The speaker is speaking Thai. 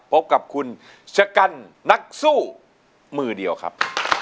พบกับคุณชะกันนักสู้มือเดียวครับ